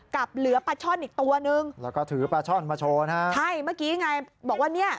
กับเหลือปลาช่อนอีกตัวหนึ่งใช่เมื่อกี้ไงบอกว่า